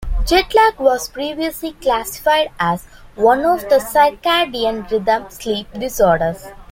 Jet lag was previously classified as one of the circadian rhythm sleep disorders.